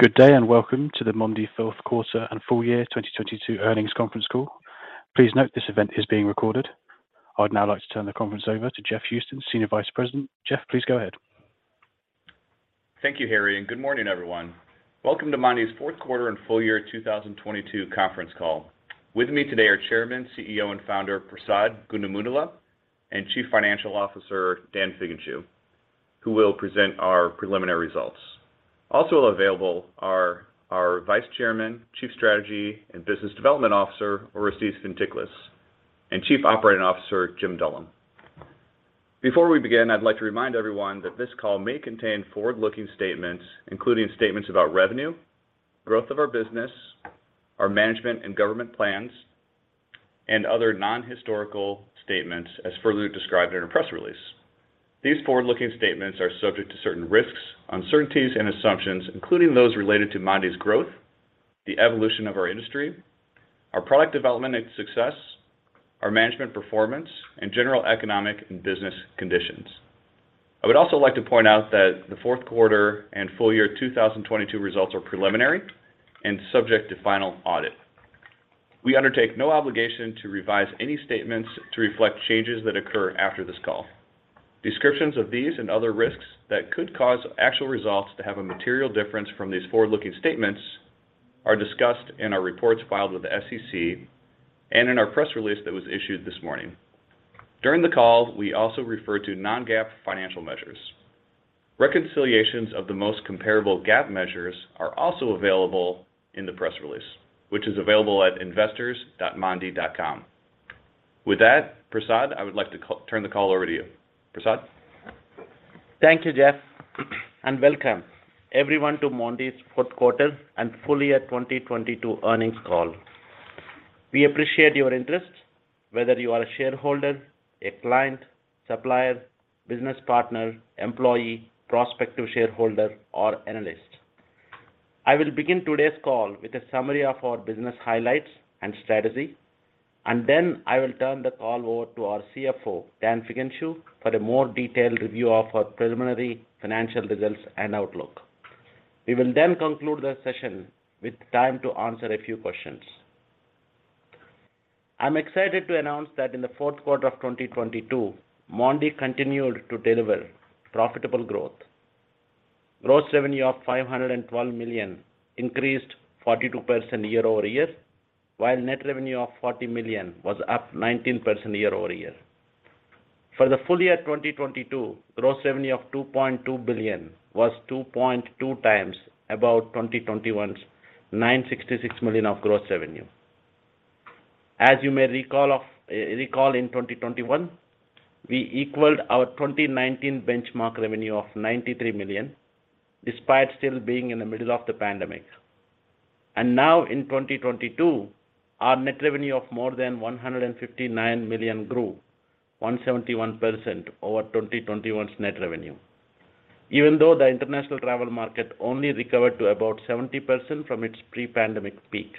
Good day. Welcome to the Mondee fourth quarter and full year 2022 earnings conference call. Please note this event is being recorded. I'd now like to turn the conference over to Jeff Houston, Senior Vice President. Jeff, please go ahead. Thank you, Harry, and good morning, everyone. Welcome to Mondee's fourth quarter and full year 2022 conference call. With me today are Chairman, CEO, and founder Prasad Gundumogula, and Chief Financial Officer Dan Figenshu, who will present our preliminary results. Also available are our Vice Chairman, Chief Strategy and Business Development Officer, Orestes Fintiklis, and Chief Operating Officer Jim Dullum. Before we begin, I'd like to remind everyone that this call may contain forward-looking statements, including statements about revenue, growth of our business, our management and government plans, and other non-historical statements as further described in our press release. These forward-looking statements are subject to certain risks, uncertainties and assumptions, including those related to Mondee's growth, the evolution of our industry, our product development and success, our management performance, and general economic and business conditions. I would also like to point out that the fourth quarter and full year 2022 results are preliminary and subject to final audit. We undertake no obligation to revise any statements to reflect changes that occur after this call. Descriptions of these and other risks that could cause actual results to have a material difference from these forward-looking statements are discussed in our reports filed with the SEC and in our press release that was issued this morning. During the call, we also refer to non-GAAP financial measures. Reconciliations of the most comparable GAAP measures are also available in the press release, which is available at investors.mondee.com. With that, Prasad, I would like to turn the call over to you. Prasad? Thank you, Jeff, and welcome everyone to Mondee's fourth quarter and full year 2022 earnings call. We appreciate your interest, whether you are a shareholder, a client, supplier, business partner, employee, prospective shareholder, or analyst. I will begin today's call with a summary of our business highlights and strategy, and then I will turn the call over to our CFO, Dan Figenshu, for a more detailed review of our preliminary financial results and outlook. We will then conclude the session with time to answer a few questions. I'm excited to announce that in the fourth quarter of 2022, Mondee continued to deliver profitable growth. Gross revenue of $512 million increased 42% year-over-year, while net revenue of $40 million was up 19% year-over-year. For the full year 2022, gross revenue of $2.2 billion was 2.2x about 2021's $966 million of gross revenue. As you may recall in 2021, we equaled our 2019 benchmark revenue of $93 million, despite still being in the middle of the pandemic. Now in 2022, our net revenue of more than $159 million grew 171% over 2021's net revenue, even though the international travel market only recovered to about 70% from its pre-pandemic peak.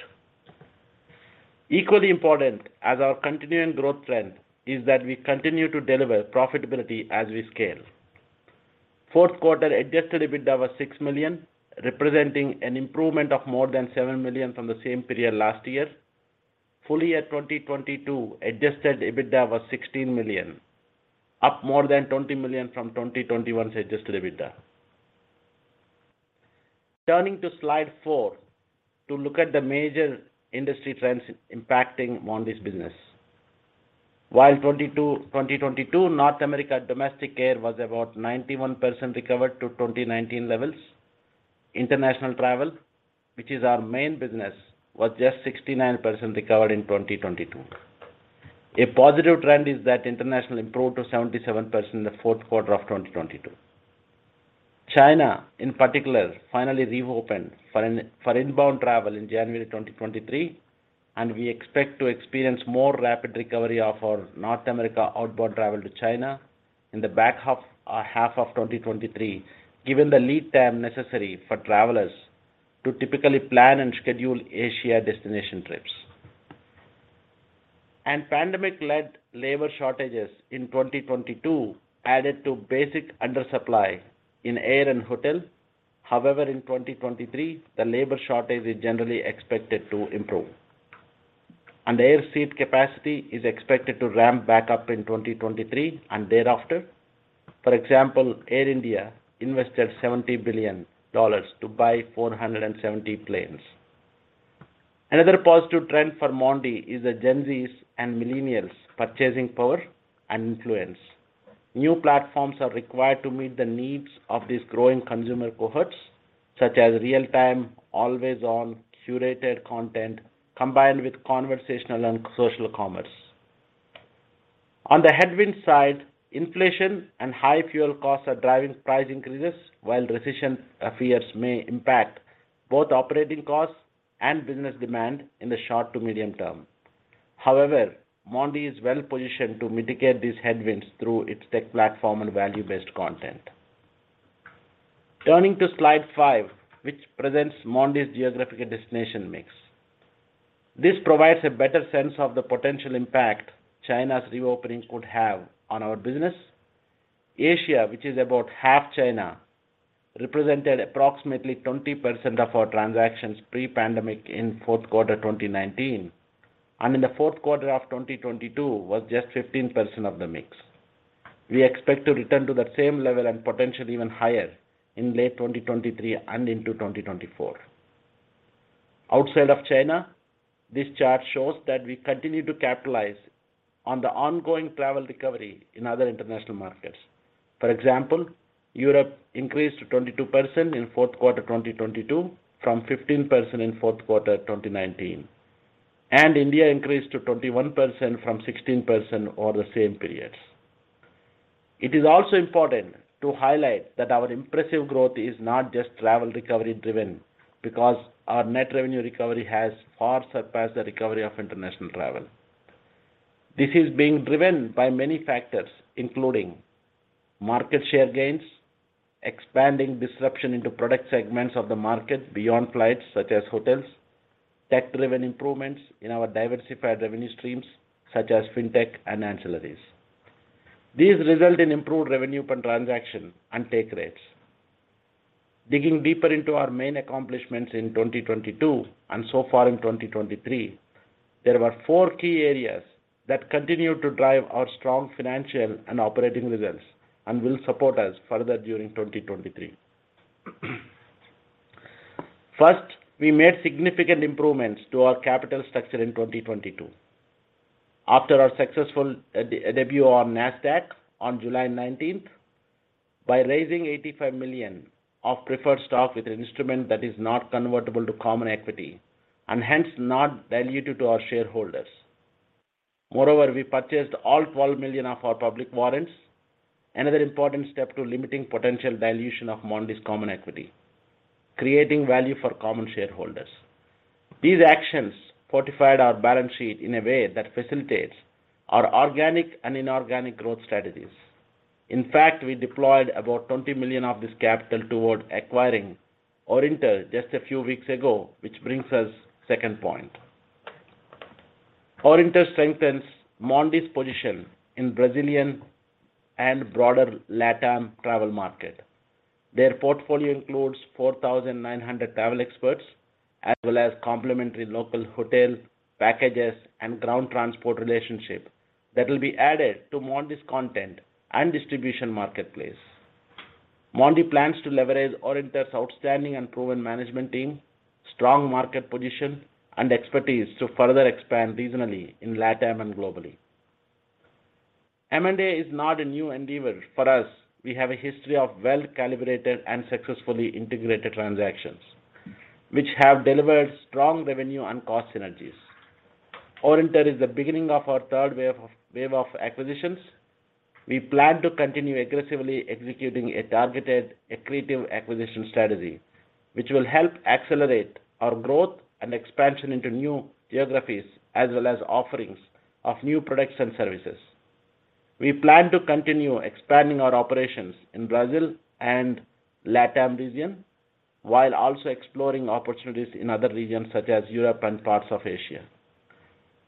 Equally important as our continuing growth trend is that we continue to deliver profitability as we scale. Fourth quarter adjusted EBITDA was $6 million, representing an improvement of more than $7 million from the same period last year. Full year 2022 adjusted EBITDA was $16 million, up more than $20 million from 2021's adjusted EBITDA. Turning to slide four to look at the major industry trends impacting Mondee's business. While 2022 North America domestic air was about 91% recovered to 2019 levels, international travel, which is our main business, was just 69% recovered in 2022. A positive trend is that international improved to 77% in the fourth quarter of 2022. China, in particular, finally reopened for inbound travel in January 2023. We expect to experience more rapid recovery of our North America outbound travel to China in the back half of 2023, given the lead time necessary for travelers to typically plan and schedule Asia destination trips. Pandemic-led labor shortages in 2022 added to basic undersupply in air and hotel. However, in 2023, the labor shortage is generally expected to improve. Air seat capacity is expected to ramp back up in 2023 and thereafter. For example, Air India invested $70 billion to buy 470 planes. Another positive trend for Mondee is the Gen Z's and millennials' purchasing power and influence. New platforms are required to meet the needs of these growing consumer cohorts, such as real-time, always-on, curated content, combined with conversational and social commerce. On the headwind side, inflation and high fuel costs are driving price increases, while recession fears may impact both operating costs and business demand in the short to medium term. However, Mondee is well positioned to mitigate these headwinds through its tech platform and value-based content. Turning to slide five, which presents Mondee's geographic destination mix. This provides a better sense of the potential impact China's reopening could have on our business. Asia, which is about half China, represented approximately 20% of our transactions pre-pandemic in fourth quarter 2019, and in the fourth quarter of 2022 was just 15% of the mix. We expect to return to that same level and potentially even higher in late 2023 and into 2024. Outside of China, this chart shows that we continue to capitalize on the ongoing travel recovery in other international markets. For example, Europe increased to 22% in fourth quarter 2022 from 15% in fourth quarter 2019, and India increased to 21% from 16% over the same periods. It is also important to highlight that our impressive growth is not just travel recovery driven. Our net revenue recovery has far surpassed the recovery of international travel. This is being driven by many factors, including market share gains, expanding disruption into product segments of the market beyond flights such as hotels, tech-driven improvements in our diversified revenue streams such as Fintech and ancillaries. These result in improved revenue per transaction and take rates. Digging deeper into our main accomplishments in 2022 and so far in 2023, there were four key areas that continue to drive our strong financial and operating results and will support us further during 2023. First, we made significant improvements to our capital structure in 2022. After our successful debut on Nasdaq on July 19th, by raising $85 million of preferred stock with an instrument that is not convertible to common equity and hence not dilutive to our shareholders. We purchased all $12 million of our public warrants. Another important step to limiting potential dilution of Mondee's common equity, creating value for common shareholders. These actions fortified our balance sheet in a way that facilitates our organic and inorganic growth strategies. In fact, we deployed about $20 million of this capital toward acquiring Orinter just a few weeks ago, which brings us second point. Orinter strengthens Mondee's position in Brazilian and broader LatAm travel market. Their portfolio includes 4,900 travel experts as well as complementary local hotel packages and ground transport relationship that will be added to Mondee's content and distribution marketplace. Mondee plans to leverage Orinter's outstanding and proven management team, strong market position, and expertise to further expand regionally in LatAm and globally. M&A is not a new endeavor for us. We have a history of well-calibrated and successfully integrated transactions, which have delivered strong revenue and cost synergies. Orinter is the beginning of our third wave of acquisitions. We plan to continue aggressively executing a targeted, accretive acquisition strategy, which will help accelerate our growth and expansion into new geographies as well as offerings of new products and services. We plan to continue expanding our operations in Brazil and LatAm region, while also exploring opportunities in other regions such as Europe and parts of Asia.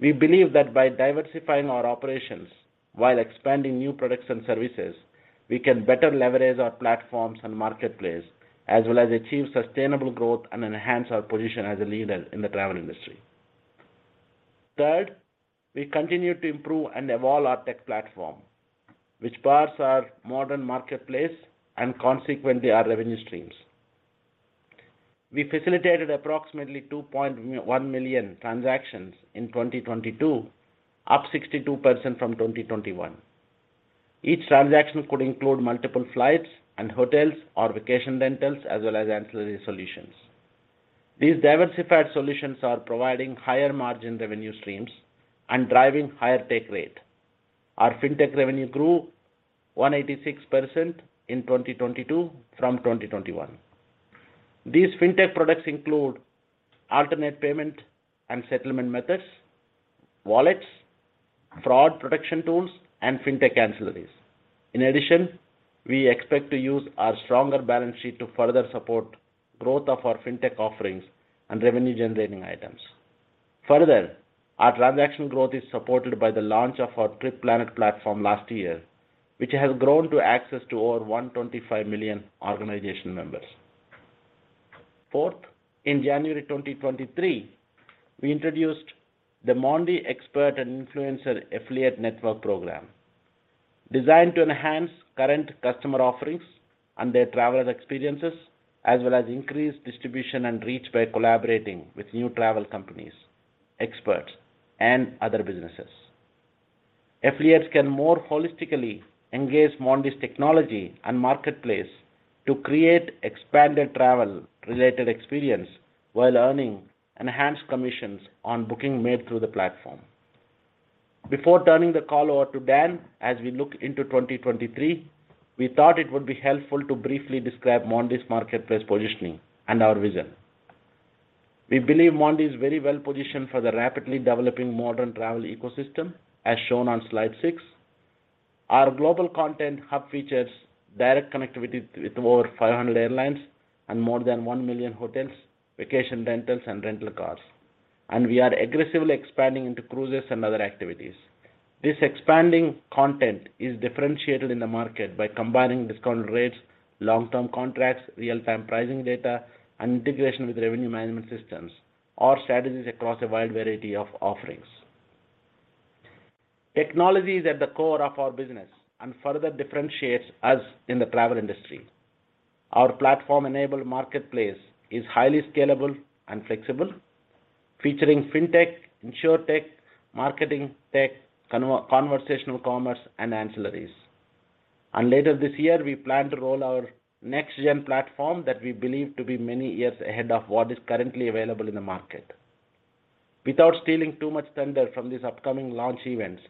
We believe that by diversifying our operations while expanding new products and services, we can better leverage our platforms and marketplace as well as achieve sustainable growth and enhance our position as a leader in the travel industry. Third, we continue to improve and evolve our tech platform, which powers our modern marketplace and consequently our revenue streams. We facilitated approximately $2.1 million transactions in 2022, up 62% from 2021. Each transaction could include multiple flights and hotels or vacation rentals as well as ancillary solutions. These diversified solutions are providing higher margin revenue streams and driving higher take rate. Our Fintech revenue grew 186% in 2022 from 2021. These Fintech products include alternate payment and settlement methods, wallets, fraud protection tools, and Fintech ancillaries. We expect to use our stronger balance sheet to further support growth of our Fintech offerings and revenue-generating items. Our transaction growth is supported by the launch of our TripPlanet platform last year, which has grown to access to over 125 million organization members. In January 2023, we introduced the Mondee expert and influencer affiliate network program, designed to enhance current customer offerings and their travelers' experiences, as well as increase distribution and reach by collaborating with new travel companies, experts, and other businesses. Affiliates can more holistically engage Mondee's technology and marketplace to create expanded travel-related experience while earning enhanced commissions on booking made through the platform. Before turning the call over to Dan, as we look into 2023, we thought it would be helpful to briefly describe Mondee's marketplace positioning and our vision. We believe Mondee is very well positioned for the rapidly developing modern travel ecosystem, as shown on slide six. Our global content hub features direct connectivity with over 500 airlines and more than 1 million hotels, vacation rentals, and rental cars. We are aggressively expanding into cruises and other activities. This expanding content is differentiated in the market by combining discounted rates, long-term contracts, real-time pricing data, and integration with revenue management systems or strategies across a wide variety of offerings. Technology is at the core of our business and further differentiates us in the travel industry. Our platform-enabled marketplace is highly scalable and flexible, featuring Fintech, Insurtech, Marketing tech, conversational commerce, and ancillaries. Later this year, we plan to roll out our next-gen platform that we believe to be many years ahead of what is currently available in the market. Without stealing too much thunder from these upcoming launch events,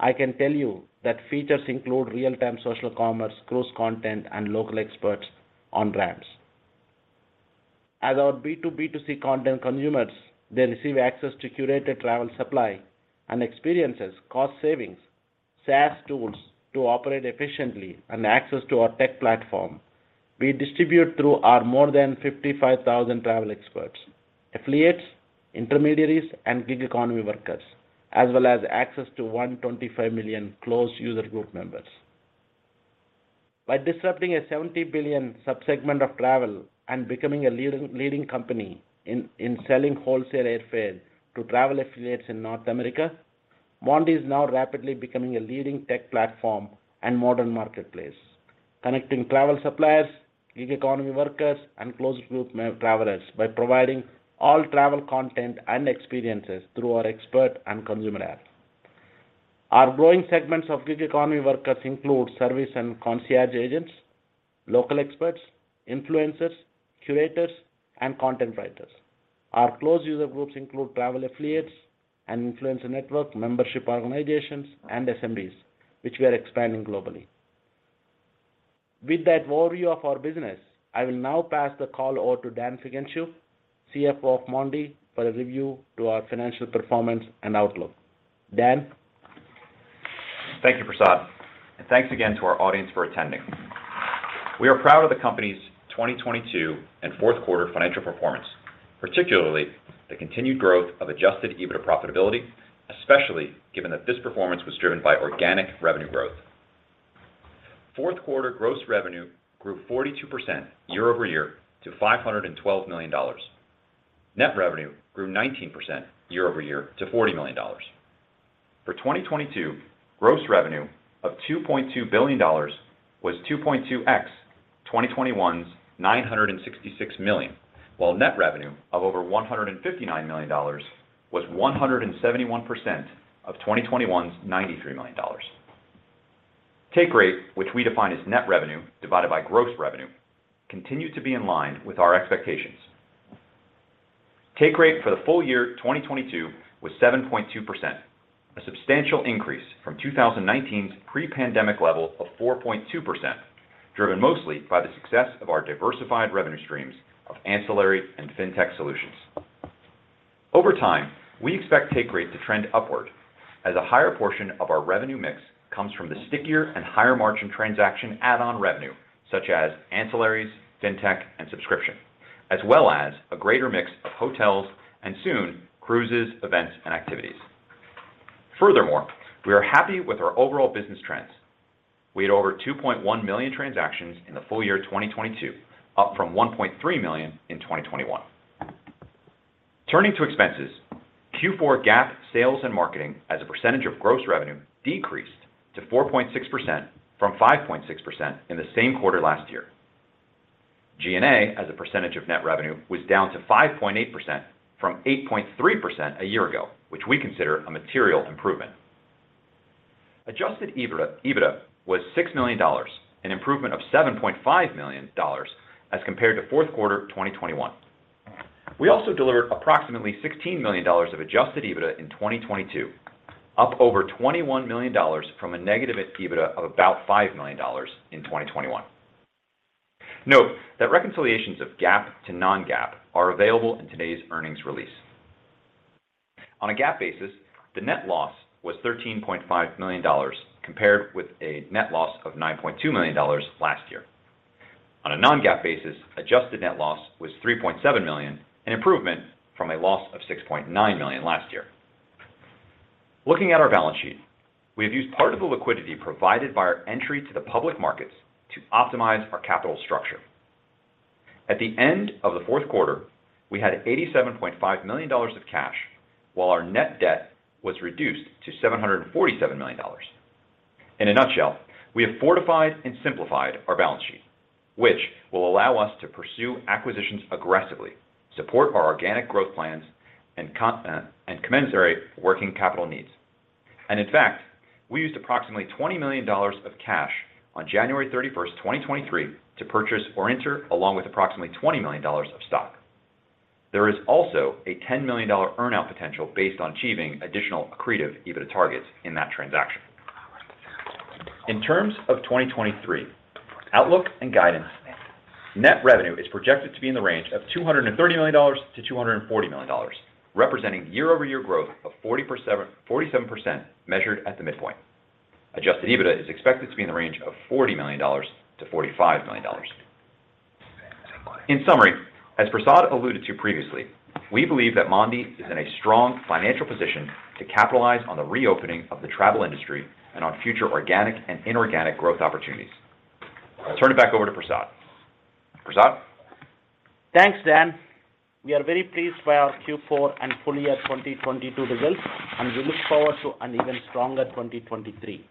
I can tell you that features include real-time social commerce, cruise content, and local experts on ramps. As our B2B2C content consumers, they receive access to curated travel supply and experiences, cost savings, SaaS tools to operate efficiently, and access to our tech platform. We distribute through our more than 55,000 travel experts, affiliates, intermediaries, and gig economy workers, as well as access to 125 million closed user group members. By disrupting a $70 billion sub-segment of travel and becoming a leading company in selling wholesale airfare to travel affiliates in North America, Mondee is now rapidly becoming a leading tech platform and modern marketplace, connecting travel suppliers, gig economy workers, and closed group travelers by providing all travel content and experiences through our expert and consumer apps. Our growing segments of gig economy workers include service and concierge agents, local experts, influencers, curators, and content writers. Our closed user groups include travel affiliates and influencer network, membership organizations, and SMBs, which we are expanding globally. With that overview of our business, I will now pass the call over to Dan Figenshu, CFO of Mondee, for a review to our financial performance and outlook. Dan. Thank you, Prasad. Thanks again to our audience for attending. We are proud of the company's 2022 and fourth quarter financial performance, particularly the continued growth of adjusted EBITDA profitability, especially given that this performance was driven by organic revenue growth. fourth quarter gross revenue grew 42% year-over-year to $512 million. Net revenue grew 19% year-over-year to $40 million. For 2022, gross revenue of $2.2 billion was 2.2x 2021's $966 million, while net revenue of over $159 million was 171% of 2021's $93 million. Take rate, which we define as net revenue divided by gross revenue, continued to be in line with our expectations. Take rate for the full year 2022 was 7.2%, a substantial increase from 2019's pre-pandemic level of 4.2%, driven mostly by the success of our diversified revenue streams of ancillary and Fintech solutions. Over time, we expect take rate to trend upward as a higher portion of our revenue mix comes from the stickier and higher-margin transaction add-on revenue such as ancillaries, Fintech, and subscription, as well as a greater mix of hotels and soon cruises, events, and activities. Furthermore, we are happy with our overall business trends. We had over 2.1 million transactions in the full year 2022, up from 1.3 million in 2021. Turning to expenses, Q4 GAAP sales and marketing as a percentage of gross revenue decreased to 4.6% from 5.6% in the same quarter last year. G&A as a percentage of net revenue was down to 5.8% from 8.3% a year ago, which we consider a material improvement. Adjusted EBITDA was $6 million, an improvement of $7.5 million as compared to fourth quarter 2021. We also delivered approximately $16 million of adjusted EBITDA in 2022, up over $21 million from a negative EBITDA of about $5 million in 2021. Note that reconciliations of GAAP to non-GAAP are available in today's earnings release. On a GAAP basis, the net loss was $13.5 million, compared with a net loss of $9.2 million last year. On a non-GAAP basis, adjusted net loss was $3.7 million, an improvement from a loss of $6.9 million last year. Looking at our balance sheet, we have used part of the liquidity provided by our entry to the public markets to optimize our capital structure. At the end of the fourth quarter, we had $87.5 million of cash while our net debt was reduced to $747 million. In a nutshell, we have fortified and simplified our balance sheet, which will allow us to pursue acquisitions aggressively, support our organic growth plans, and commensurate working capital needs. In fact, we used approximately $20 million of cash on January 31, 2023 to purchase Orinter along with approximately $20 million of stock. There is also a $10 million earn-out potential based on achieving additional accretive EBITDA targets in that transaction. In terms of 2023 outlook and guidance. Net revenue is projected to be in the range of $230 million-$240 million, representing year-over-year growth of 40%, 47% measured at the midpoint. Adjusted EBITDA is expected to be in the range of $40 million-$45 million. In summary, as Prasad alluded to previously, we believe that Mondee is in a strong financial position to capitalize on the reopening of the travel industry and on future organic and inorganic growth opportunities. I'll turn it back over to Prasad. Prasad? Thanks, Dan. We are very pleased by our Q4 and full-year 2022 results. We look forward to an even stronger 2023.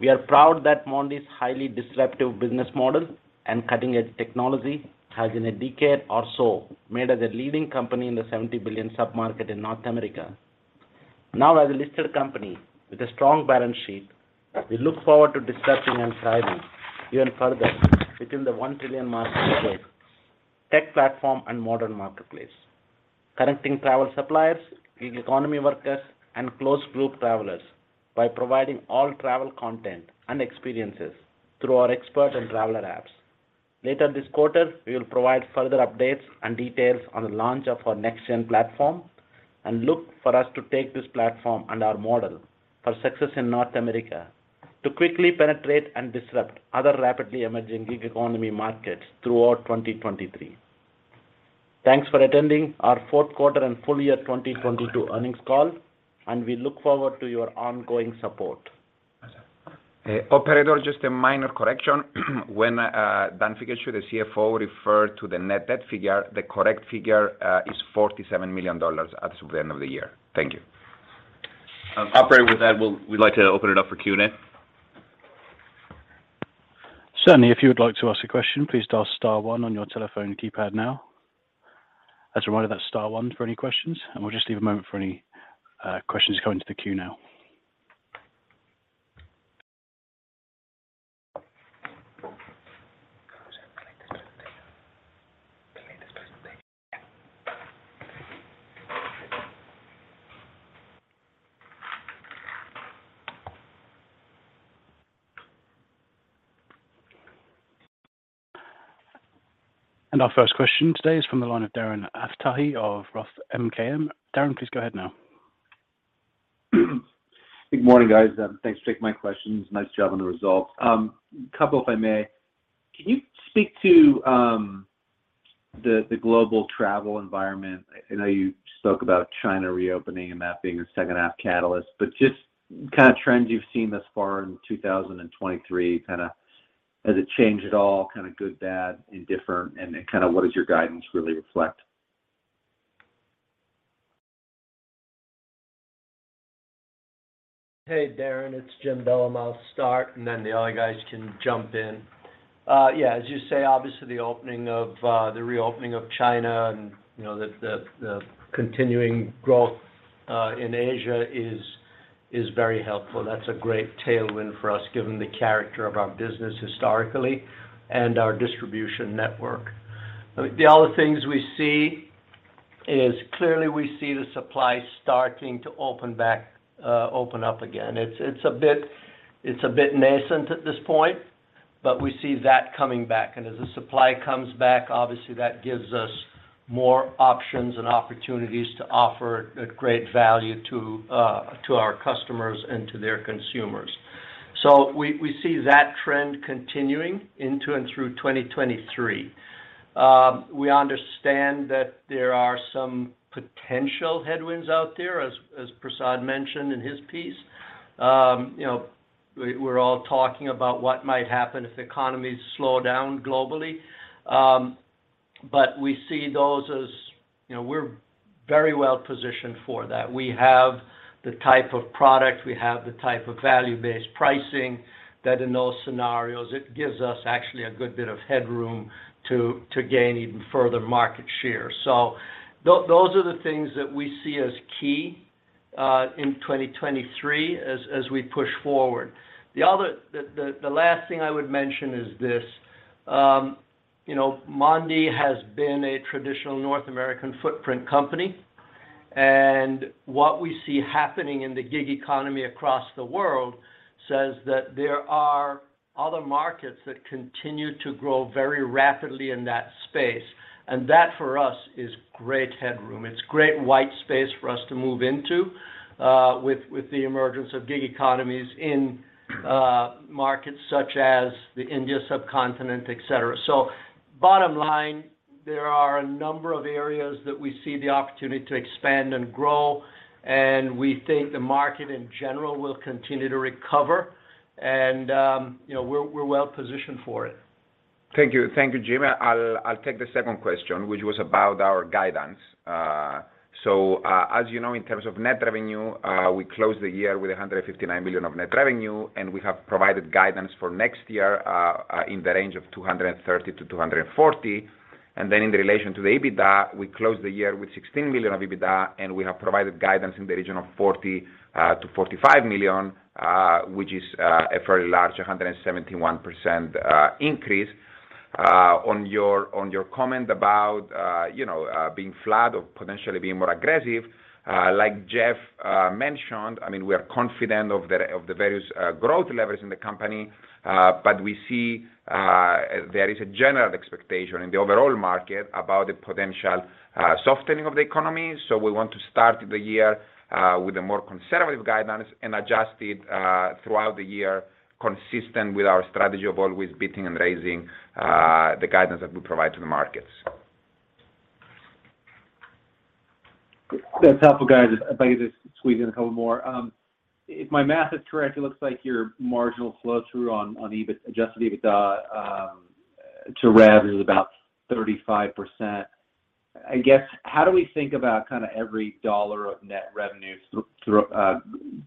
We are proud that Mondee's highly disruptive business model and cutting-edge technology has in a decade or so made us a leading company in the $70 billion sub-market in North America. As a listed company with a strong balance sheet, we look forward to disrupting and thriving even further within the $1 trillion market with tech platform and modern marketplace, connecting travel suppliers, gig economy workers, and closed user group travelers by providing all travel content and experiences through our expert and traveler apps. Later this quarter, we will provide further updates and details on the launch of our next-gen platform and look for us to take this platform and our model for success in North America to quickly penetrate and disrupt other rapidly emerging gig economy markets throughout 2023. Thanks for attending our fourth quarter and full-year 2022 earnings call, and we look forward to your ongoing support. Operator, just a minor correction. When Dan Figenshu, the CFO, referred to the net debt figure, the correct figure, is $47 million as of the end of the year. Thank you. Operator, with that, we'd like to open it up for Q&A. Certainly. If you would like to ask a question, please dial star one on your telephone keypad now. As a reminder, that's star one for any questions, and we'll just leave a moment for any questions to come into the queue now. Our first question today is from the line of Darren Aftahi of Roth MKM. Darren, please go ahead now. Good morning, guys. Thanks for taking my questions. Nice job on the results. A couple, if I may. Can you speak to the global travel environment? I know you spoke about China reopening and that being a second-half catalyst, but just trends you've seen thus far in 2023. Has it changed at all, good, bad, indifferent? What does your guidance really reflect? Hey, Darren, it's Jim Dullum. I'll start, and then the other guys can jump in. Yeah, as you say, obviously the opening of the reopening of China and, you know, the continuing growth in Asia is very helpful. That's a great tailwind for us, given the character of our business historically and our distribution network. The other things we see is clearly we see the supply starting to open back, open up again. It's a bit nascent at this point, but we see that coming back. As the supply comes back, obviously that gives us more options and opportunities to offer a great value to our customers and to their consumers. We, we see that trend continuing into and through 2023. We understand that there are some potential headwinds out there, as Prasad mentioned in his piece. You know, we're all talking about what might happen if economies slow down globally. We see those as, you know, we're very well positioned for that. We have the type of product, we have the type of value-based pricing that in those scenarios, it gives us actually a good bit of headroom to gain even further market share. Those are the things that we see as key in 2023 as we push forward. The last thing I would mention is this, you know, Mondee has been a traditional North American footprint company. What we see happening in the gig economy across the world says that there are other markets that continue to grow very rapidly in that space. That, for us, is great headroom. It's great white space for us to move into, with the emergence of gig economies in markets such as the India subcontinent, et cetera. Bottom line, there are a number of areas that we see the opportunity to expand and grow, and we think the market in general will continue to recover and, you know, we're well positioned for it. Thank you. Thank you, Jim. I'll take the second question, which was about our guidance. so, as you know, in terms of net revenue, we closed the year with $159 million of net revenue, and we have provided guidance for next year, in the range of $230 million-$240 million. Then in relation to the EBITDA, we closed the year with $16 million of EBITDA, and we have provided guidance in the region of $40 million-$45 million, which is a very large 171% increase. On your comment about, you know, being flat or potentially being more aggressive, like Jeff mentioned, I mean, we are confident of the, of the various, growth levers in the company. We see, there is a general expectation in the overall market about the potential softening of the economy. We want to start the year with a more conservative guidance and adjust it throughout the year, consistent with our strategy of always beating and raising the guidance that we provide to the markets. That's helpful, guys. If I can just squeeze in a couple more. If my math is correct, it looks like your marginal flow-through on adjusted EBITDA to rev is about 35%. I guess, how do we think about kind of every dollar of net revenue through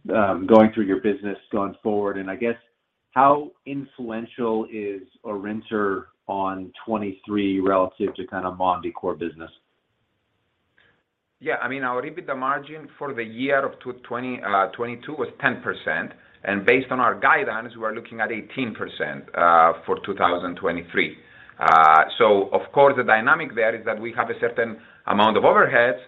going through your business going forward? I guess how influential is Orinter on 2023 relative to kind of Mondee core business? Yeah, I mean, our EBITDA margin for the year of 2022 was 10%, and based on our guidance, we're looking at 18% for 2023. Of course, the dynamic there is that we have a certain amount of overheads.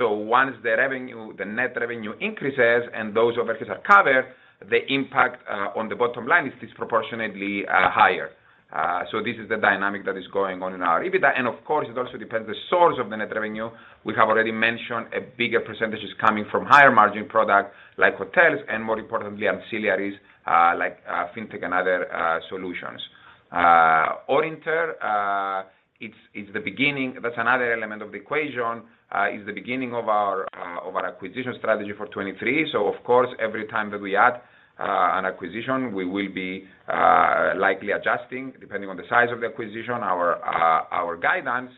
Once the revenue, the net revenue increases and those overheads are covered, the impact on the bottom line is disproportionately higher. This is the dynamic that is going on in our EBITDA. Of course, it also depends the source of the net revenue. We have already mentioned a bigger percentage is coming from higher margin products like hotels and more importantly, ancillaries, like Fintech another solutions. Orinter, it's the beginning. That's another element of the equation. It's the beginning of our acquisition strategy for 2023. Of course, every time that we add an acquisition, we will be likely adjusting, depending on the size of the acquisition, our guidance.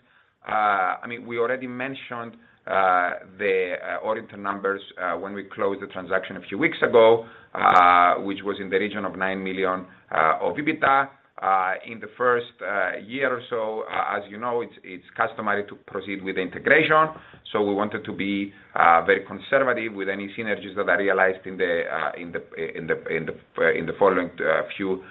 I mean, we already mentioned the Orinter numbers when we closed the transaction a few weeks ago, which was in the region of $9 million of EBITDA. In the first year or so, as you know, it's customary to proceed with integration. We wanted to be very conservative with any synergies that are realized in the following few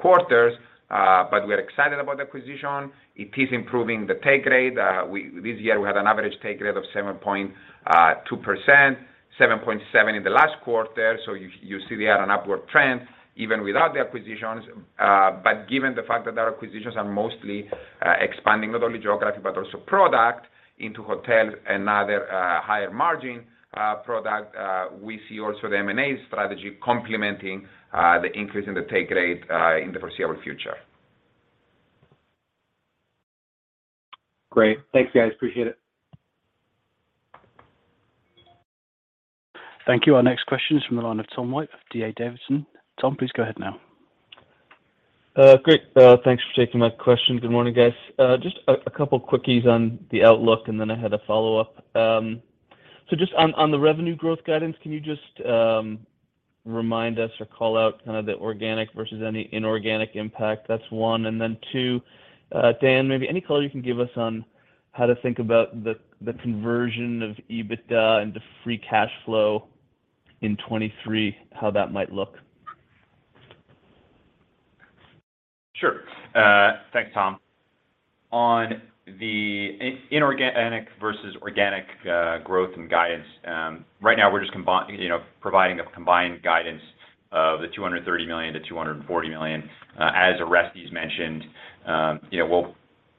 quarters. We are excited about acquisition. It is improving the take rate. This year, we had an average take rate of 7.2%, 7.7% in the last quarter. You see we are an upward trend even without the acquisitions. Given the fact that our acquisitions are mostly expanding not only geographic but also product into hotels and other higher margin product, we see also the M&A strategy complementing the increase in the take rate in the foreseeable future. Great. Thanks, guys. Appreciate it. Thank you. Our next question is from the line of Tom White of D.A. Davidson. Tom, please go ahead now. Great. Thanks for taking my question. Good morning, guys. Just a couple quickies on the outlook, then I had a follow-up. Just on the revenue growth guidance, can you just remind us or call out kind of the organic versus any inorganic impact? That's one. Then two, Dan, maybe any color you can give us on how to think about the conversion of EBITDA into free cash flow in 2023, how that might look. Sure. Thanks, Tom. On the inorganic versus organic growth and guidance, right now we're just providing a combined guidance of $230 million-$240 million. As Orestes mentioned, you know,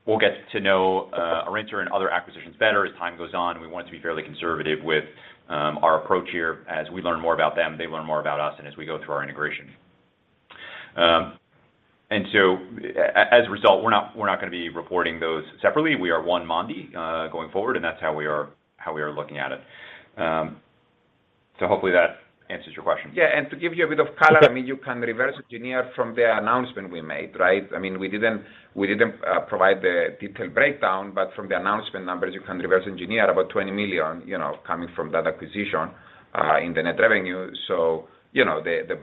we'll get to know Orinter and other acquisitions better as time goes on. We want to be fairly conservative with our approach here. As we learn more about them, they learn more about us, and as we go through our integration. As a result, we're not gonna be reporting those separately. We are one Mondee going forward, and that's how we are looking at it. Hopefully that answers your question. Yeah. To give you a bit of color- Okay I mean, you can reverse engineer from the announcement we made, right? I mean, we didn't provide the detailed breakdown, but from the announcement numbers, you can reverse engineer about $20 million, you know, coming from that acquisition, in the net revenue. You know, the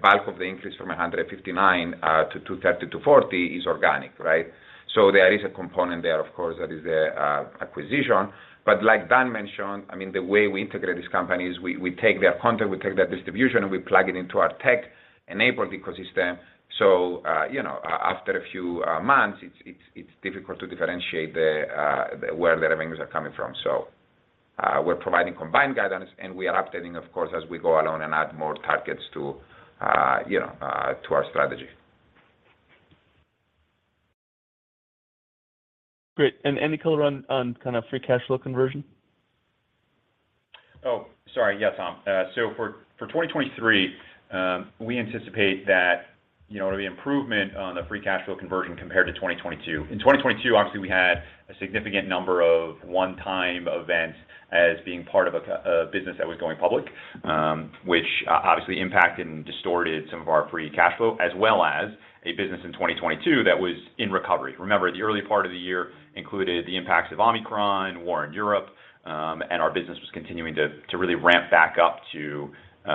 bulk of the increase from $159, to $230-$240 is organic, right? There is a component there, of course, that is the acquisition. Like Dan mentioned, I mean, the way we integrate these companies, we take their content, we take their distribution, and we plug it into our tech-enabled ecosystem. You know, after a few months, it's difficult to differentiate the where the revenues are coming from. We're providing combined guidance, and we are updating, of course, as we go along and add more targets to, you know, to our strategy. Great. Any color on kind of free cash flow conversion? Sorry. Yeah, Tom. For 2023, we anticipate that, you know, the improvement on the free cash flow conversion compared to 2022. In 2022, obviously, we had a significant number of one-time events as being part of a business that was going public, which obviously impacted and distorted some of our free cash flow, as well as a business in 2022 that was in recovery. Remember, the early part of the year included the impacts of Omicron, war in Europe. Our business was continuing to really ramp back up to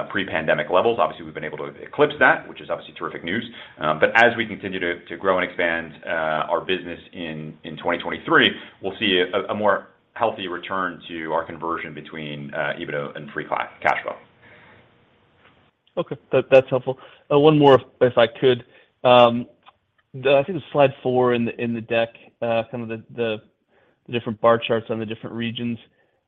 pre-pandemic levels. Obviously, we've been able to eclipse that, which is obviously terrific news. As we continue to grow and expand, our business in 2023, we'll see a more healthy return to our conversion between EBITDA and free cash flow. Okay. That's helpful. One more if I could. I think it's slide four in the deck, some of the different bar charts on the different regions.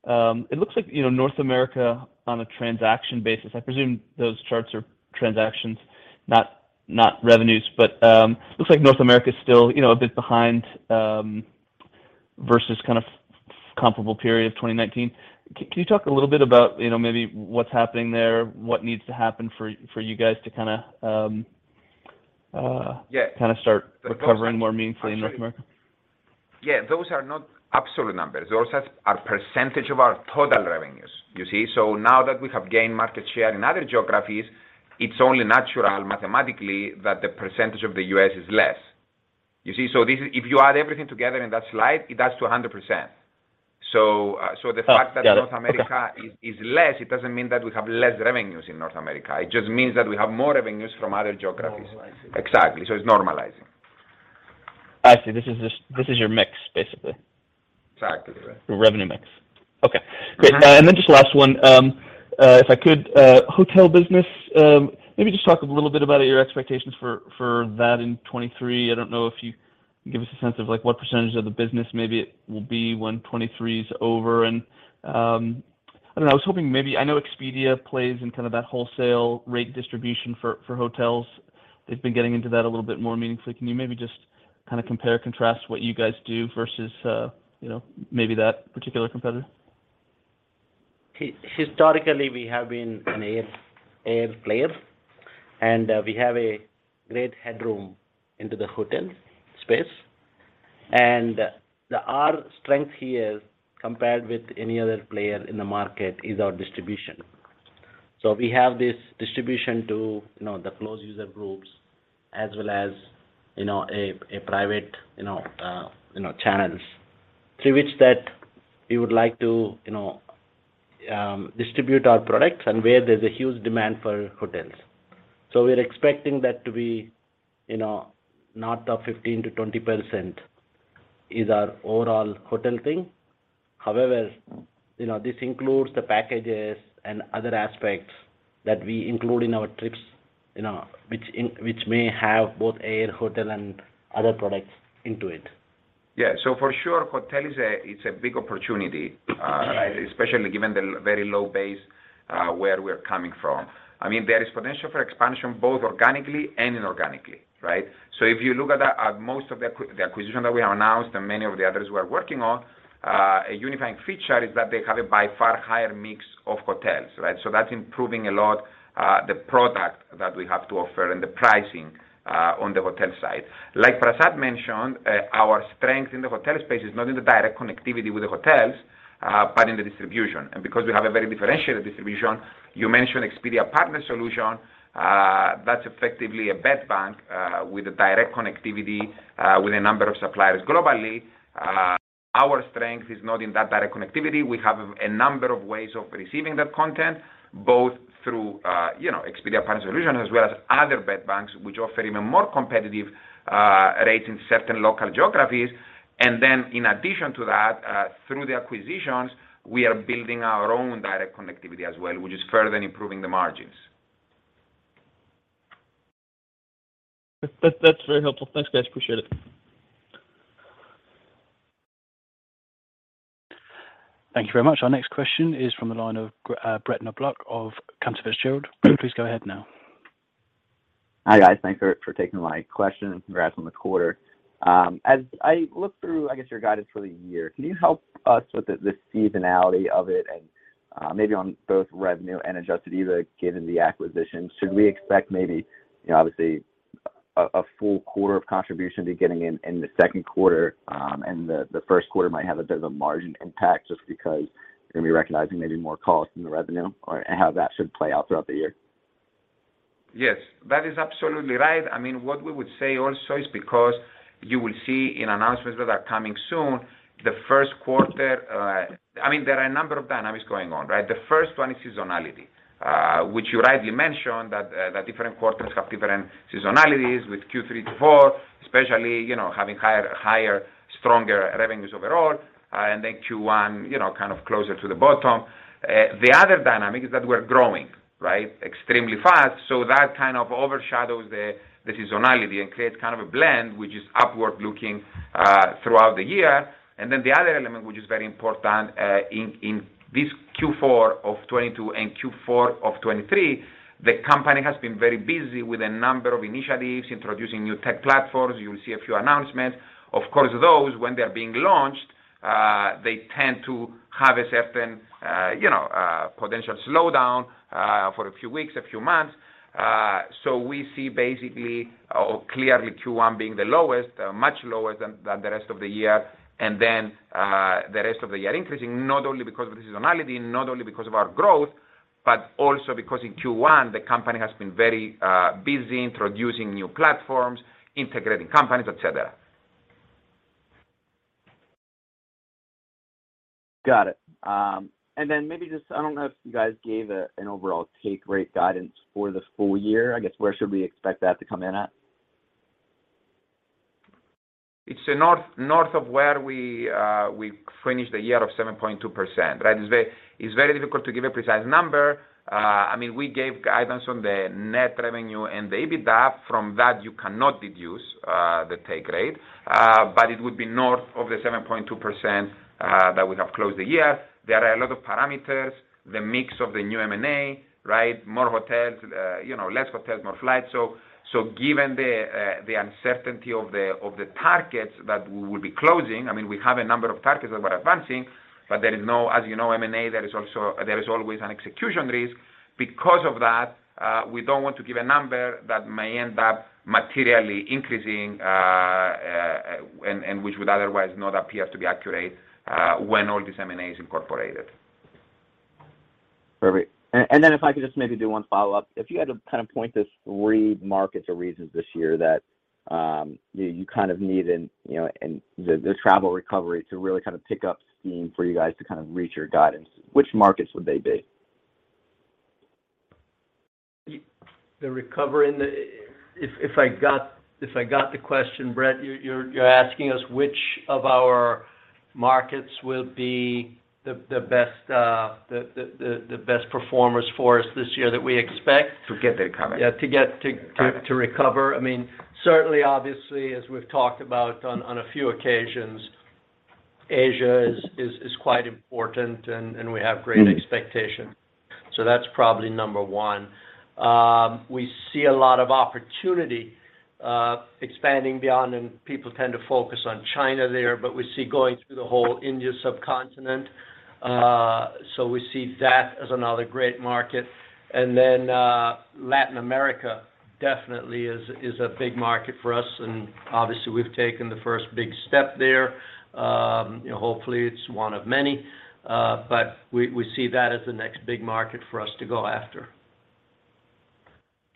It looks like, you know, North America on a transaction basis, I presume those charts are transactions, not revenues. Looks like North America is still, you know, a bit behind versus kind of comparable period of 2019. Can you talk a little bit about, you know, maybe what's happening there? What needs to happen for you guys to kinda? Yeah. Kinda start recovering more meaningfully in North America? Yeah. Those are not absolute numbers. Those are percentage of our total revenues, you see? Now that we have gained market share in other geographies, it's only natural mathematically that the percentage of the U.S. is less. You see? This is. If you add everything together in that slide, it adds to 100%. The fact that- Got it. North America is less, it doesn't mean that we have less revenues in North America. It just means that we have more revenues from other geographies. Oh, I see. Exactly. It's normalizing. I see. This is your mix, basically. Exactly, right. Your revenue mix. Okay, great. Yeah. Just last one, if I could. Hotel business, maybe just talk a little bit about your expectations for that in 2023. I don't know if you can give us a sense of like what percentage of the business maybe it will be when 2023 is over. I don't know, I was hoping I know Expedia plays in kind of that wholesale rate distribution for hotels. They've been getting into that a little bit more meaningfully. Can you maybe just kind of compare, contrast what you guys do versus, you know, maybe that particular competitor? Historically, we have been an air player, we have a great headroom into the hotel space. Our strength here compared with any other player in the market is our distribution. We have this distribution to, you know, the closed user groups as well as, you know, a private, you know, channels through which that we would like to, you know, distribute our products and where there's a huge demand for hotels. We're expecting that to be, you know, north of 15%-20% is our overall hotel thing. However, you know, this includes the packages and other aspects that we include in our trips, you know, which may have both air, hotel, and other products into it. Yeah. For sure, hotel is a big opportunity, especially given the very low base where we're coming from. I mean, there is potential for expansion both organically and inorganically, right? If you look at most of the acquisitions that we have announced and many of the others we are working on, a unifying feature is that they have a by far higher mix of hotels, right? That's improving a lot, the product that we have to offer and the pricing on the hotel side. Like Prasad mentioned, our strength in the hotel space is not in the direct connectivity with the hotels, but in the distribution. Because we have a very differentiated distribution, you mentioned Expedia Partner Solutions, that's effectively a bed bank, with a direct connectivity, with a number of suppliers globally. Our strength is not in that direct connectivity. We have a number of ways of receiving that content, both through, you know, Expedia Partner Solutions as well as other bed banks which offer even more competitive rates in certain local geographies. In addition to that, through the acquisitions, we are building our own direct connectivity as well, which is further improving the margins. That's very helpful. Thanks, guys. Appreciate it. Thank you very much. Our next question is from the line of Brett Knoblauch of Cantor Fitzgerald. Please go ahead now. Hi, guys. Thanks for taking my question. Congrats on the quarter. As I look through, I guess, your guidance for the year, can you help us with the seasonality of it and maybe on both revenue and adjusted EBITDA given the acquisition? Should we expect maybe, you know, obviously a full quarter of contribution to getting in in the second quarter, the first quarter might have a bit of a margin impact just because you're gonna be recognizing maybe more costs than the revenue or, and how that should play out throughout the year? Yes, that is absolutely right. I mean, what we would say also is because you will see in announcements that are coming soon, the first quarter, I mean, there are a number of dynamics going on, right? The first one is seasonality, which you rightly mentioned that different quarters have different seasonalities with Q3 to Q4, especially, you know, having higher, stronger revenues overall, and then Q1, you know, kind of closer to the bottom. The other dynamic is that we're growing, right, extremely fast. So that kind of overshadows the seasonality and creates kind of a blend, which is upward looking, throughout the year. The other element, which is very important, in this Q4 of 2022 and Q4 of 2023, the company has been very busy with a number of initiatives, introducing new tech platforms. You will see a few announcements. Of course, those, when they're being launched, they tend to have a certain, you know, potential slowdown for a few weeks, a few months. We see basically or clearly Q1 being the lowest, much lower than the rest of the year. The rest of the year increasing, not only because of the seasonality, not only because of our growth, but also because in Q1, the company has been very busy introducing new platforms, integrating companies, et cetera. Got it. maybe just, I don't know if you guys gave an overall take rate guidance for the full year. I guess where should we expect that to come in at? It's north of where we finished the year of 7.2%, right? It's very difficult to give a precise number. I mean, we gave guidance on the net revenue and the EBITDA. From that, you cannot deduce the take rate, but it would be north of the 7.2% that we have closed the year. There are a lot of parameters, the mix of the new M&A, right? More hotels, you know, less hotels, more flights. So given the uncertainty of the targets that we will be closing, I mean, we have a number of targets that we're advancing, but as you know, M&A, there is always an execution risk. Because of that, we don't want to give a number that may end up materially increasing, and which would otherwise not appear to be accurate, when all this M&A is incorporated. Perfect. If I could just maybe do one follow-up. If you had to kind of point to three markets or reasons this year that, you kind of need, you know, the travel recovery to really kind of pick up steam for you guys to kind of reach your guidance, which markets would they be? If I got the question, Brett, you're asking us which of our markets will be the best performers for us this year that we expect? To get the recovery. Yeah, to get to. Right To recover. I mean, certainly, obviously, as we've talked about on a few occasions, Asia is quite important and we have great expectations. That's probably number one. We see a lot of opportunity, expanding beyond, and people tend to focus on China there, but we see going through the whole India subcontinent. We see that as another great market. Then, Latin America definitely is a big market for us, and obviously, we've taken the first big step there. You know, hopefully, it's one of many, but we see that as the next big market for us to go after.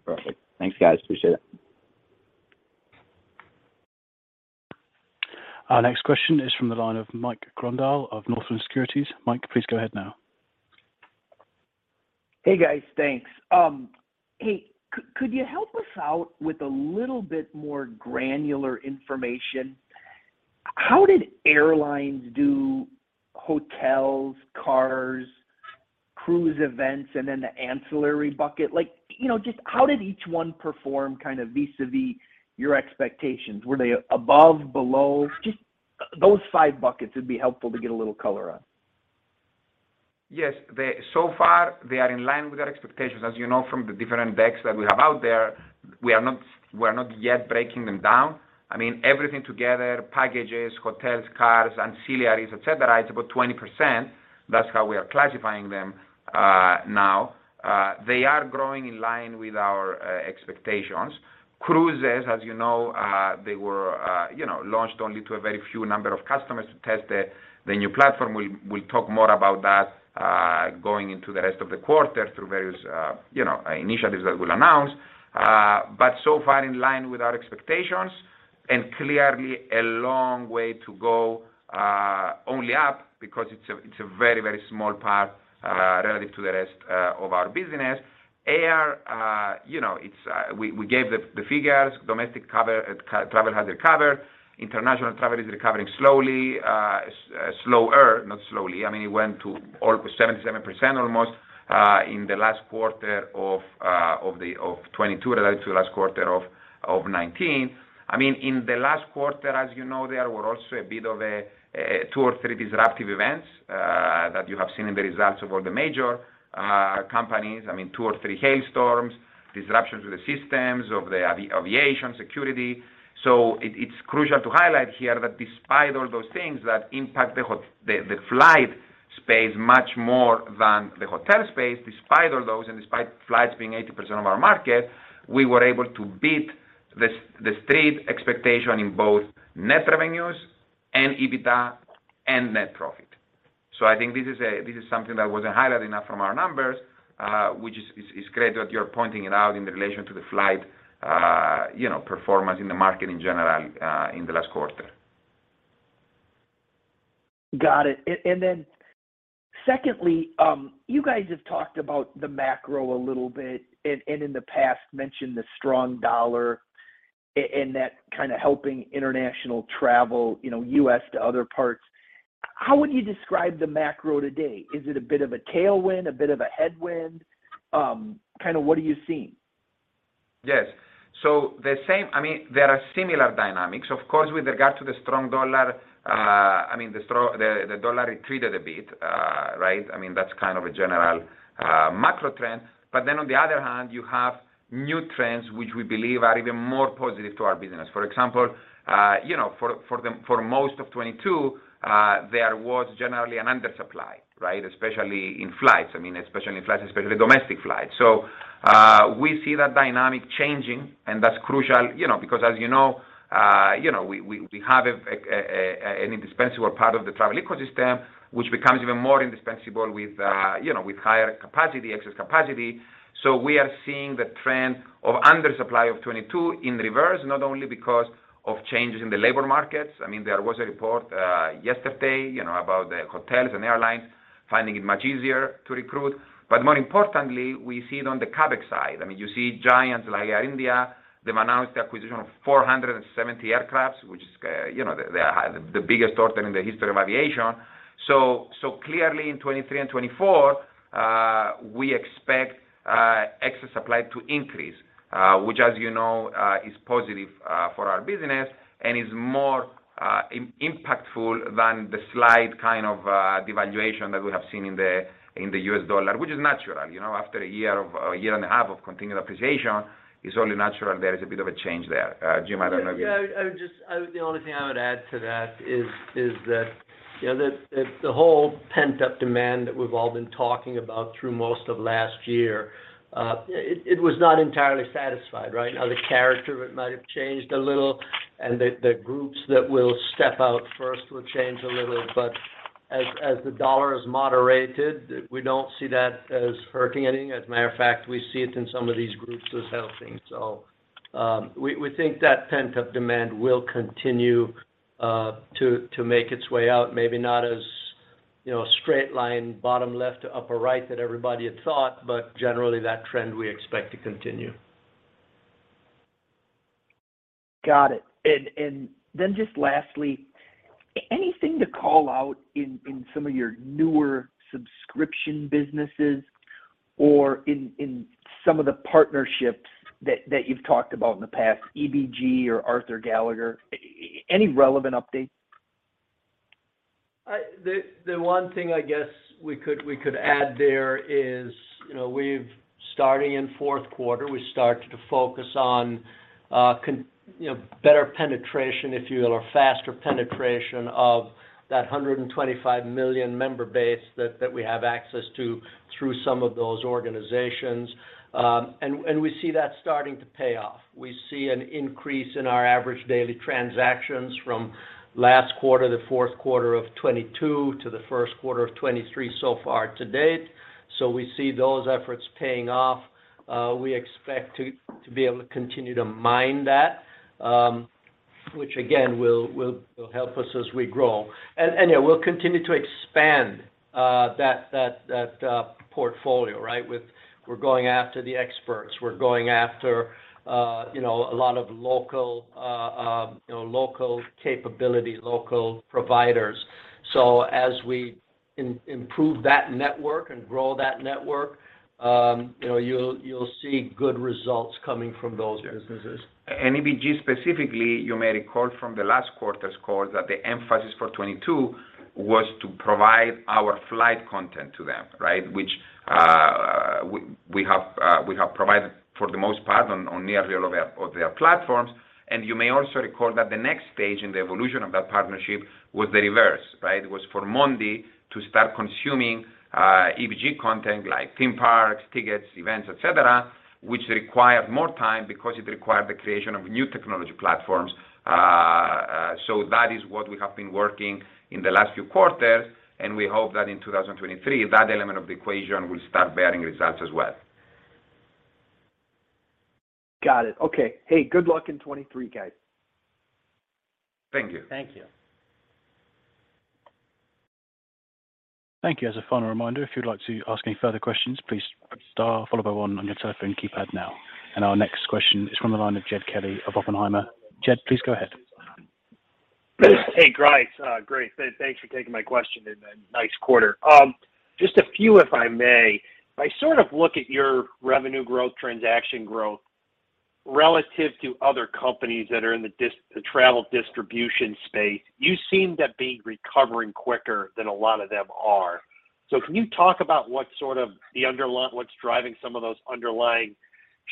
Perfect. Thanks, guys. Appreciate it. Our next question is from the line of Mike Grondahl of Northland Securities. Mike, please go ahead now. Hey, guys. Thanks. Could you help us out with a little bit more granular information? How did airlines do hotels, cars, cruise events, and then the ancillary bucket? Like, you know, just how did each one perform kind of vis-a-vis your expectations? Were they above, below? Just those five buckets would be helpful to get a little color on. Yes. So far, they are in line with our expectations. As you know, from the different decks that we have out there, we are not, we're not yet breaking them down. I mean, everything together, packages, hotels, cars, ancillaries, et cetera, it's about 20%. That's how we are classifying them now. They are growing in line with our expectations. Cruises, as you know, they were, you know, launched only to a very few number of customers to test the new platform. We'll talk more about that going into the rest of the quarter through various, you know, initiatives that we'll announce. But so far in line with our expectations, and clearly a long way to go, only up because it's a very, very small part relative to the rest of our business. Air, you know, it's, we gave the figures. Domestic travel has recovered. International travel is recovering slowly, slower, not slowly. I mean, it went to over 77% almost in the last quarter of 2022, relative to last quarter of 2019. I mean, in the last quarter, as you know, there were also a bit of a two or three disruptive events that you have seen in the results of all the major companies. I mean, two or three hailstorms, disruptions to the systems of the aviation security. It's crucial to highlight here that despite all those things that impact the flight space much more than the hotel space, despite all those and despite flights being 80% of our market, we were able to beat the street expectation in both net revenues and EBITDA and net profit. I think this is something that wasn't highlighted enough from our numbers, which is great that you're pointing it out in relation to the flight, you know, performance in the market in general, in the last quarter. Got it. Then secondly, you guys have talked about the macro a little bit, and in the past mentioned the strong dollar and that kind of helping international travel, you know, U.S. to other parts. How would you describe the macro today? Is it a bit of a tailwind, a bit of a headwind? Kinda what are you seeing? Yes. I mean, there are similar dynamics. Of course, with regard to the strong dollar, I mean, the dollar retreated a bit, right? I mean, that's kind of a general macro trend. On the other hand, you have new trends which we believe are even more positive to our business. For example, you know, for most of 2022, there was generally an undersupply, right? Especially in flights. I mean, especially in flights, especially domestic flights. We see that dynamic changing, and that's crucial, you know, because as you know, you know, we have an indispensable part of the travel ecosystem which becomes even more indispensable with, you know, with higher capacity, excess capacity. We are seeing the trend of undersupply of 2022 in reverse, not only because of changes in the labor markets. I mean, there was a report yesterday, you know, about the hotels and airlines finding it much easier to recruit. More importantly, we see it on the cabin side. I mean, you see giants like Air India, they've announced the acquisition of 470 aircraft, which is, you know, the biggest order in the history of aviation. Clearly in 2023 and 2024, we expect excess supply to increase, which as you know, is positive for our business and is more impactful than the slight kind of devaluation that we have seen in the US dollar. Which is natural, you know, after a year of... a year and a half of continued appreciation, it's only natural there is a bit of a change there. Jim, I don't know if you. Yeah. I would just the only thing I would add to that is that, you know, the whole pent-up demand that we've all been talking about through most of last year, it was not entirely satisfied, right? Now, the character might have changed a little, and the groups that will step out first will change a little. As the dollar is moderated, we don't see that as hurting anything. As a matter of fact, we see it in some of these groups as helping. We think that pent-up demand will continue to make its way out. Maybe not as, you know, straight line, bottom left to upper right that everybody had thought, but generally that trend we expect to continue. Got it. Then just lastly, anything to call out in some of your newer subscription businesses or in some of the partnerships that you've talked about in the past, EBG or Arthur Gallagher, any relevant updates? The one thing I guess we could add there is, you know, starting in fourth quarter, we started to focus on, you know, better penetration, if you will, or faster penetration of that 125 million member base that we have access to through some of those organizations. We see that starting to pay off. We see an increase in our average daily transactions from last quarter, the fourth quarter of 2022 to the first quarter of 2023 so far to date. We see those efforts paying off. We expect to be able to continue to mine that, which again, will help us as we grow. Yeah, we'll continue to expand that portfolio, right? With we're going after the experts, we're going after, you know, a lot of local, you know, local capability, local providers. As we improve that network and grow that network, you know, you'll see good results coming from those businesses. EBG specifically, you may recall from the last quarter's call that the emphasis for 2022 was to provide our flight content to them, right? Which we have provided for the most part on nearly all of their platforms. You may also recall that the next stage in the evolution of that partnership was the reverse, right? It was for Mondee to start consuming EBG content like theme parks, tickets, events, et cetera, which required more time because it required the creation of new technology platforms. So that is what we have been working in the last few quarters, and we hope that in 2023 that element of the equation will start bearing results as well. Got it. Okay. Hey, good luck in 2023, guys. Thank you. Thank you. Thank you. As a final reminder, if you'd like to ask any further questions, please star followed by one on your telephone keypad now. Our next question is from the line of Jed Kelly of Oppenheimer. Jed, please go ahead. Hey, guys. great. Thanks for taking my question and nice quarter. Just a few if I may. If I sort of look at your revenue growth, transaction growth relative to other companies that are in the travel distribution space, you seem to be recovering quicker than a lot of them are. Can you talk about what sort of the what's driving some of those underlying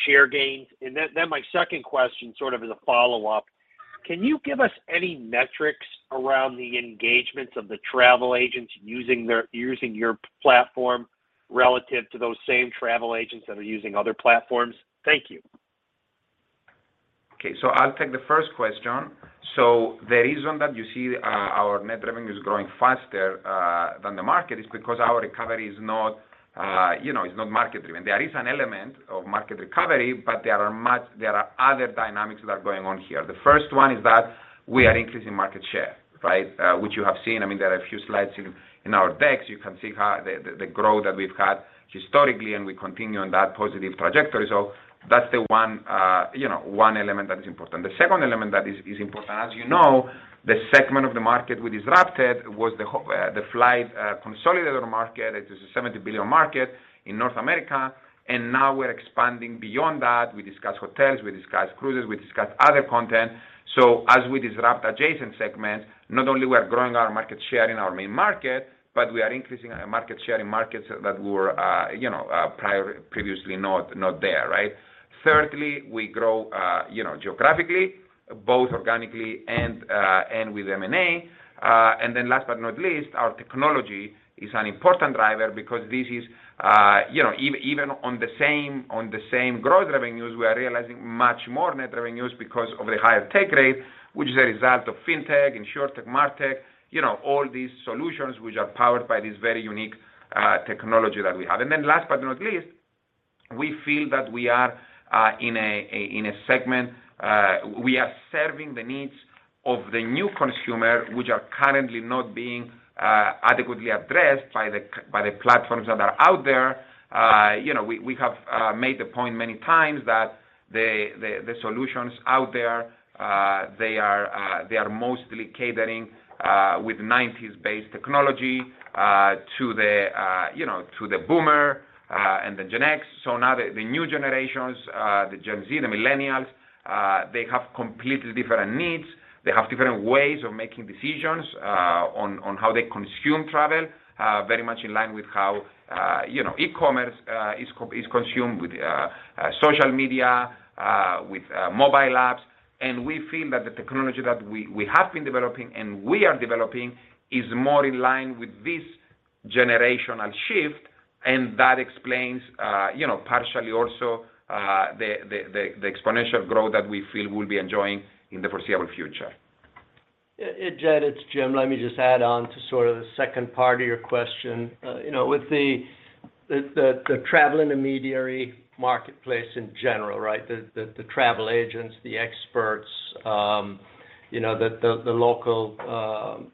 share gains? Then my second question sort of as a follow-up. Can you give us any metrics around the engagements of the travel agents using your platform relative to those same travel agents that are using other platforms? Thank you. I'll take the first question. The reason that you see, our net revenue is growing faster than the market is because our recovery is not, you know, is not market-driven. There is an element of market recovery, there are other dynamics that are going on here. The first one is that we are increasing market share, right? Which you have seen. I mean, there are a few slides in our decks. You can see how the growth that we've had historically, and we continue on that positive trajectory. That's the one, you know, one element that is important. The second element that is important, as you know, the segment of the market we disrupted was the flight consolidator market. It is a $70 billion market in North America. Now we're expanding beyond that. We discuss hotels, we discuss cruises, we discuss other content. As we disrupt adjacent segments, not only we are growing our market share in our main market, but we are increasing our market share in markets that were, you know, previously not there, right? Thirdly, we grow, you know, geographically, both organically and with M&A. Last but not least, our technology is an important driver because this is, you know, even on the same growth revenues, we are realizing much more net revenues because of the higher take rate, which is a result of Fintech, Insurtech, Martech, you know, all these solutions which are powered by this very unique technology that we have. Last but not least, we feel that we are in a segment, we are serving the needs of the new consumer, which are currently not being adequately addressed by the platforms that are out there. You know, we have made the point many times that the solutions out there, they are mostly catering with 90s-based technology to the, you know, to the Boomer and the Gen X. Now the new generations, the Gen Z, the millennials, they have completely different needs. They have different ways of making decisions on how they consume travel, very much in line with how, you know, e-commerce is consumed with social media, with mobile apps. We feel that the technology that we have been developing and we are developing is more in line with this generational shift, and that explains, you know, partially also, the exponential growth that we feel we'll be enjoying in the foreseeable future. Jed, it's Jim. Let me just add on to sort of the second part of your question. you know, with the travel intermediary marketplace in general, right? The travel agents, the experts, you know, the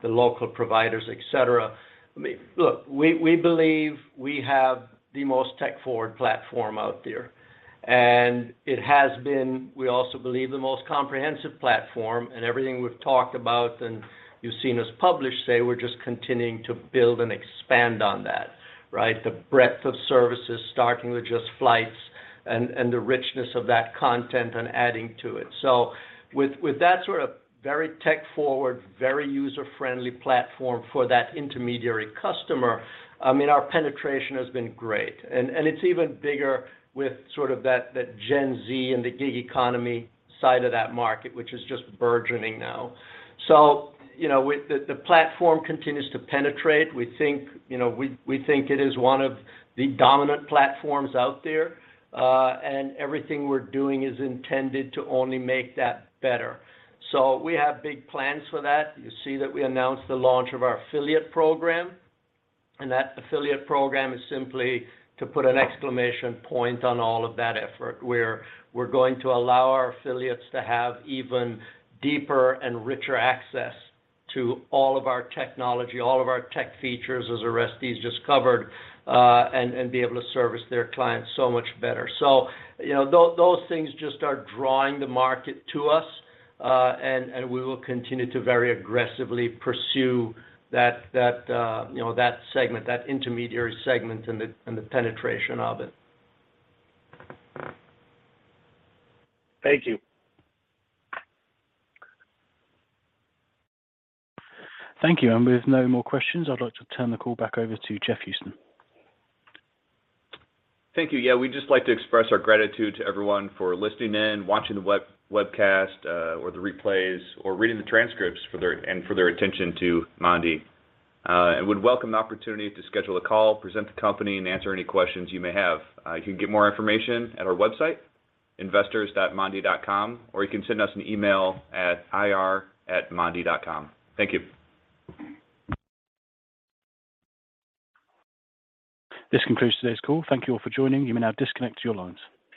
local providers, et cetera. I mean, look, we believe we have the most tech-forward platform out there. It has been, we also believe, the most comprehensive platform and everything we've talked about and you've seen us publish today, we're just continuing to build and expand on that, right? The breadth of services, starting with just flights and the richness of that content and adding to it. With that sort of very tech-forward, very user-friendly platform for that intermediary customer, I mean, our penetration has been great. It's even bigger with sort of that Gen Z and the gig economy side of that market, which is just burgeoning now. You know, with the platform continues to penetrate, we think, you know, we think it is one of the dominant platforms out there. Everything we're doing is intended to only make that better. We have big plans for that. You see that we announced the launch of our affiliate program. That affiliate program is simply to put an exclamation point on all of that effort, where we're going to allow our affiliates to have even deeper and richer access to all of our technology, all of our tech features, as Orestes just covered, and be able to service their clients so much better. You know, those things just are drawing the market to us. We will continue to very aggressively pursue that, you know, that segment, that intermediary segment and the penetration of it. Thank you. Thank you. With no more questions, I'd like to turn the call back over to Jeff Houston. Thank you. Yeah, we'd just like to express our gratitude to everyone for listening in, watching the webcast, or the replays or reading the transcripts and for their attention to Mondee. We'd welcome the opportunity to schedule a call, present the company, and answer any questions you may have. You can get more information at our website, investors.mondee.com, or you can send us an email at ir@mondee.com. Thank you. This concludes today's call. Thank you all for joining. You may now disconnect your lines.